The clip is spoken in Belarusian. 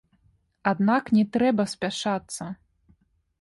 Аднак не трэба спяшацца.